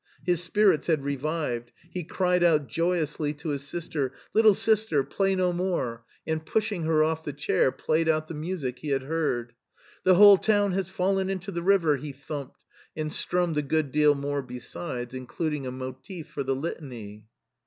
His spirits had revived. He cried put joyously to his sister: "Little sister, play no IP lot I lat I le i ■I i HEIDELBERG 13 more," and pushing her off the chair played out the music he had heard. " The whole town has fallen into the river !" He thumped, and strummed a good deal more besides, in cluding a motif for the Litany.